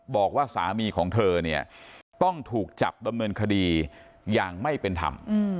บอกว่าสามีของเธอเนี่ยต้องถูกจับดำเนินคดีอย่างไม่เป็นธรรม